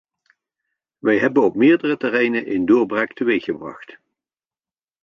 Wij hebben op meerdere terreinen een doorbraak teweeggebracht.